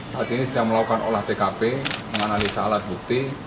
saat ini sedang melakukan olah tkp menganalisa alat bukti